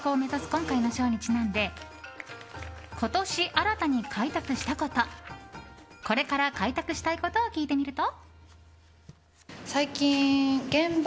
今回の賞にちなんで今年新たに開拓したことこれから開拓したいことを聞いてみると。